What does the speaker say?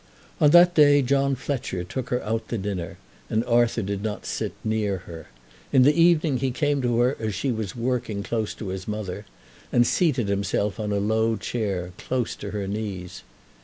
On that day John Fletcher took her out to dinner, and Arthur did not sit near her. In the evening he came to her as she was working close to his mother, and seated himself on a low chair close to her knees.